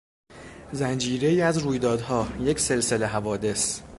زنجیرهای از رویدادها، یک سلسله حوادث